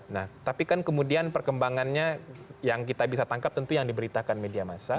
nah tapi kan kemudian perkembangannya yang kita bisa tangkap tentu yang diberitakan media massa